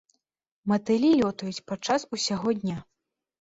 Матылі лётаюць падчас усяго дня.